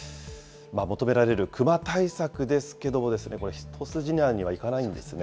求められるクマ対策ですけどもですね、一筋縄にはいかないんですね。